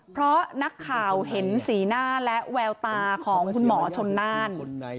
เพราะนักข่าวเห็นสีหน้าและแววตาของคุณหมอชนน่าน